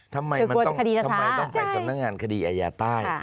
ทำไมต้องไปสำนักงานคดีอาญาใต้